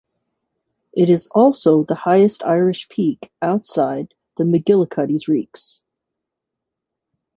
It is also the highest Irish peak outside the Macgillycuddy's Reeks.